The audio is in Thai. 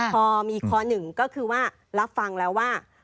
พอมีข้อหนึ่งก็คือว่ารับฟังแล้วว่า